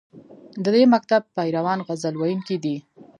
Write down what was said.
د دې مکتب پیروان غزل ویونکي دي